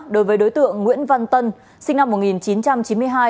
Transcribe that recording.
đối với đối tượng nguyễn văn tân sinh năm một nghìn chín trăm chín mươi hai